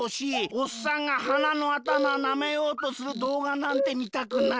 「おっさんがはなのあたまなめようとするどうがなんてみたくない」。